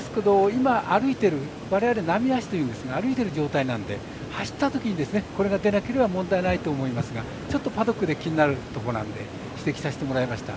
今、歩いているわれわれ、常歩というんですが歩いている状態なんで走ったときにこれが出なければ問題ないと思いますがちょっとパドックで気になるところなので指摘させてもらいました。